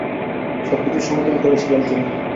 সব কিছুর সমাধান করেছিলেন তিনি।